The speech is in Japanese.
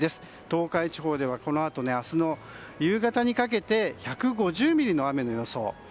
東海地方ではこのあと明日の夕方にかけて１５０ミリの雨の予想。